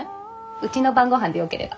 うちの晩ごはんでよければ。